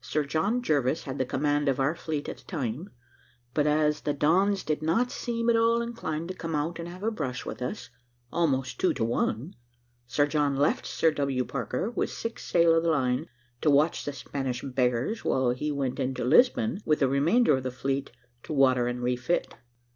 Sir John Jervis had the command of our fleet at the time, but as the Dons did not seem at all inclined to come out and have a brush with us, almost two to one, Sir John left Sir W. Parker, with six sail of the line, to watch the Spanish beggars, while he went into Lisbon with the remainder of the fleet, to water and refit.